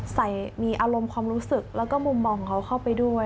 ใส่มีอารมณ์ความรู้สึกแล้วก็มุมมองของเขาเข้าไปด้วย